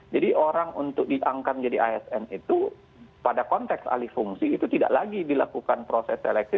jadi orang untuk diangkat menjadi asn itu pada konteks alifungsi itu tidak lagi dilakukan proses seleksi